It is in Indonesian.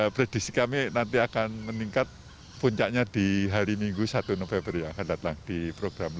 prediksi kami nanti akan meningkat puncaknya di hari minggu satu november yang akan datang di program